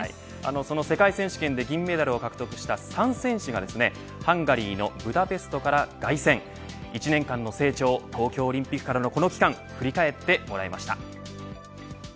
その世界選手権で銀メダルを獲得した３選手がハンガリーのブダペストから凱旋１年間の成長東京オリンピックからのこの期間振り返ってもらいました。